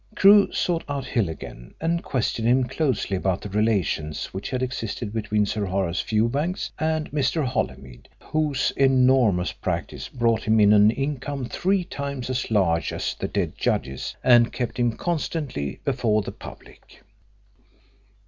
Crewe sought out Hill again and questioned him closely about the relations which had existed between Sir Horace Fewbanks and Mr. Holymead, whose enormous practice brought him in an income three times as large as the dead judge's, and kept him constantly before the public.